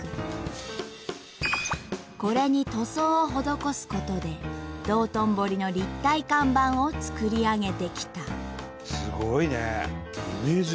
これに塗装をほどこすことで道頓堀の立体看板を作り上げてきた。